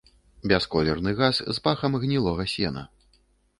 Бясколерны газ з пахам гнілога сена.